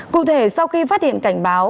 cụ thể sau khi phát hiện cảnh báo